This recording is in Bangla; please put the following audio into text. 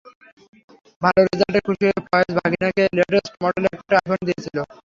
ভালো রেজাল্টে খুশি হয়ে ফয়েজ ভাগিনাকে লেটেস্ট মডেলের একটা আইফোন দিয়েছিল।